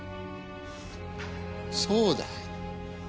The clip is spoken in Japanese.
そうだ。